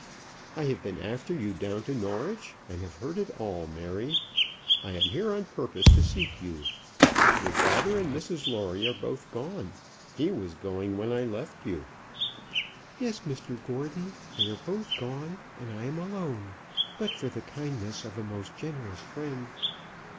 "I have been after you down to Norwich, and have heard it all. Mary, I am here on purpose to seek you. Your father and Mrs Lawrie are both gone. He was going when I left you." "Yes, Mr Gordon. They are both gone, and I am alone, but for the kindness of a most generous friend."